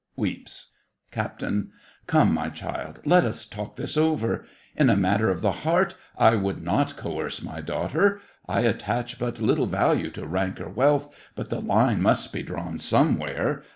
(Weeps.) CAPT. Come, my child, let us talk this over. In a matter of the heart I would not coerce my daughter—I attach but little value to rank or wealth, but the line must be drawn somewhere.